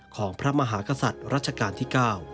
ของพระมหากษัตริย์รัชกาลที่๙